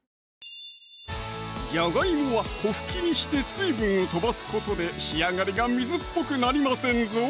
じゃがいもは粉ふきにして水分を飛ばすことで仕上がりが水っぽくなりませんぞ